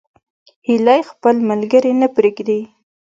هیلۍ خپل ملګري نه پرېږدي